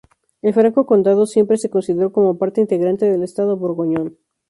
El Franco Condado siempre se consideró como parte integrante del Estado Borgoñón.